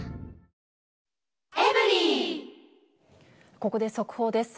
ここで速報です。